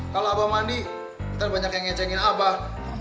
kalau abah mandi kita banyak yang ngecekin abah